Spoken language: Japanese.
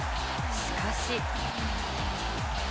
しかし。